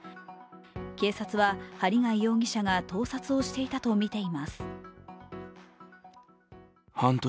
警察は針谷容疑者が盗撮をしていたとみています。